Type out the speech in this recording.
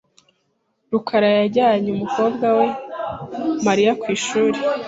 rukara yajyanye umukobwa we Mariya ku ishuri .